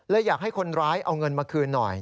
อยากให้คนร้ายเอาเงินมาคืนหน่อย